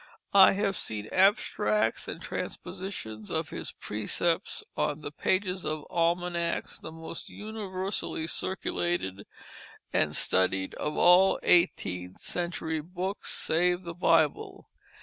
I have seen abstracts and transpositions of his precepts on the pages of almanacs, the most universally circulated and studied of all eighteenth century books save the Bible.